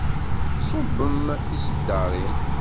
Tṣubbem tiseddarin.